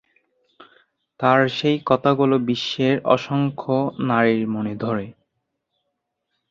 তার সেই কথাগুলো বিশ্বের অসংখ্য নারীর মনে ধরে।